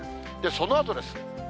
そのあとです。